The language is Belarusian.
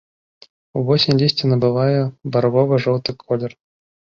Увосень лісце набывае барвова-жоўты колер.